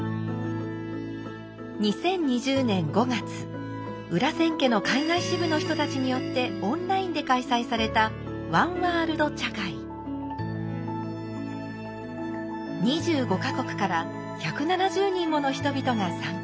２０２０年５月裏千家の海外支部の人たちによってオンラインで開催された２５か国から１７０人もの人々が参加。